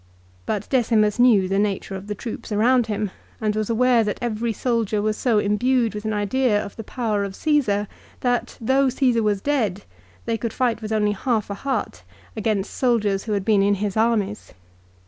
But Decimus knew the nature of the troops around him, and was aware that every soldier was so imbued with an idea of the power of Csesar that, though Caesar was dead, they could fight with only half a heart against soldiers who had been in his armies.